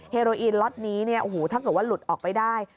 เฮรออีนรอตนี้เนี่ยถ้าเกิดว่าหลุดออกไปได้